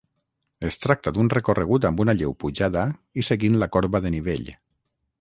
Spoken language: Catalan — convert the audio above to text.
Es tracta d'un recorregut amb una lleu pujada i seguint la corba de nivell.